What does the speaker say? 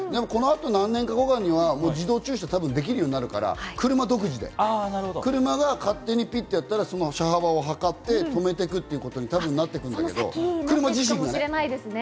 何年後かには自動駐車ができるようになるから車独自で車が勝手にピッとやったら車幅を測って停めていくということになると思うから、車自身がね。